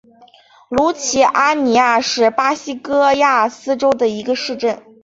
卢齐阿尼亚是巴西戈亚斯州的一个市镇。